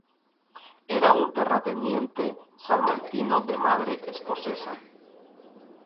Era un terrateniente salmantino, de madre escocesa.